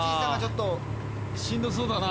うわしんどそうだな。